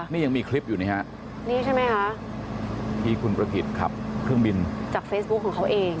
นี่ยังมีคลิปอยู่นี่ฮะนี่ใช่ไหมคะที่คุณประกิจขับเครื่องบินจากเฟซบุ๊คของเขาเอง